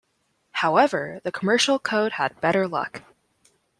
However, the Commercial Code had better luck.